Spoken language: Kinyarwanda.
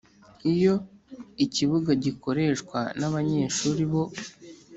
Iyo ikibuga gikoreshwa n abanyeshuri bo